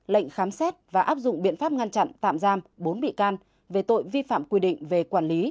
lệnh khám xét và áp dụng biện pháp ngăn chặn tạm giam bốn bị can về tội vi phạm quy định về quản lý